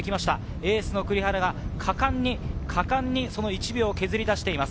エースの栗原が果敢に１秒を削り出しています。